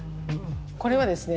これはですね